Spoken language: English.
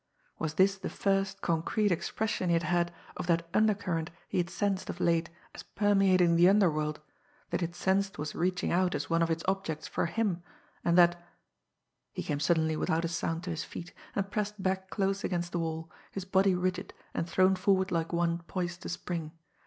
Was this the first concrete expression he had had of that undercurrent he had sensed of late as permeating the underworld, that he had sensed was reaching out as one of its objects for him and that He came suddenly without a sound to his feet, and pressed back close against the wall, his body rigid and thrown forward like one poised to spring.